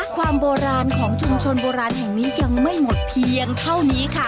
ความโบราณของชุมชนโบราณแห่งนี้ยังไม่หมดเพียงเท่านี้ค่ะ